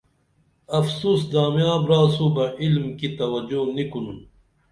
افسوس دامیاں براسو بہ عِلم کی توجو نی کُنُن